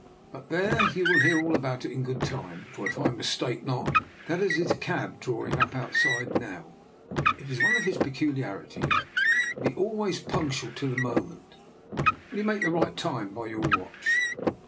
But there, you will hear all about it in good time, for if I mis take not that is his cab drawing up outside now. It is one of his peculiarities to be al ways punctual to the moment. What do you make the right time by your watch?